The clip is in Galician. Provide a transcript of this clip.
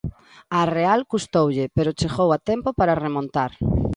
Á Real custoulle, pero chegou a tempo para remontar.